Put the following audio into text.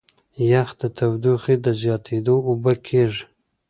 یخ د تودوخې په زیاتېدو اوبه کېږي.